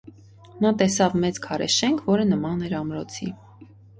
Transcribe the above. Նա տեսավ մեծ քարե շենք, որը նման էր ամրոցի։